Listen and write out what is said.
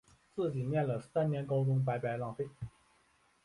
自己念了三年高中白白浪费